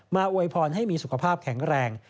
อวยพรให้มีสุขภาพแข็งแรง